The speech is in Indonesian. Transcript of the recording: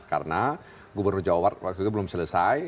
karena gubernur jawa barat waktu itu belum selesai